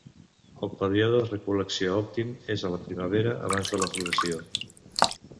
El període de recol·lecció òptim és a la primavera abans de la floració.